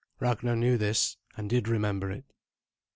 Ragnar knew this, and did remember it.